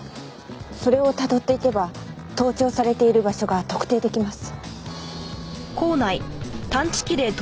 それをたどっていけば盗聴されている場所が特定できます。